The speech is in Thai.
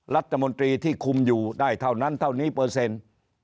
รัฐมนตรีที่คุมอยู่ได้เท่านั้นเท่านี้เปอร์เซ็นต์